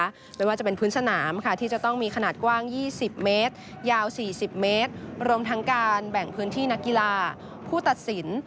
ไม่ว่าจะเป็นพื้นสนามค่ะที่จะต้องมีขนาดกว้าง๒๐เมตรยาว๔๐เมตรรวมทั้งการแบ่งพื้นที่นักกีฬาผู้ตัดสิน